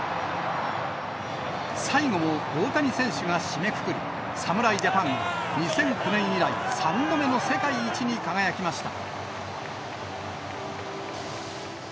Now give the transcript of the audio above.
最後も大谷選手が締めくくり、侍ジャパン、２００９年以来３度目の世界一に輝きました。